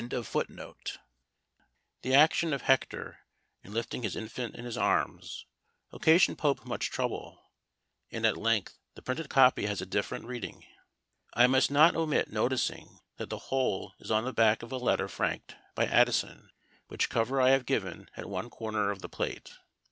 The action of Hector, in lifting his infant in his arms, occasioned Pope much trouble; and at length the printed copy has a different reading. I must not omit noticing, that the whole is on the back of a letter franked by Addison; which cover I have given at one corner of the plate.